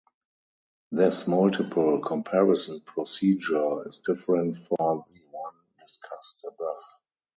This multiple comparison procedure is different for the one discussed above.